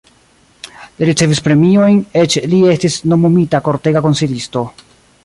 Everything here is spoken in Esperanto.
Li ricevis premiojn, eĉ li estis nomumita kortega konsilisto.